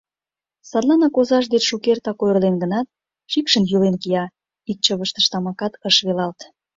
Садланак, озаж деч шукертак ойырлен гынат, шикшын-йӱлен кия, ик чывыштыш тамакат ыш велалт.